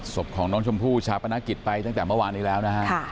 ศพของน้องชมพู่ชาปนกิจไปตั้งแต่เมื่อวานนี้แล้วนะฮะ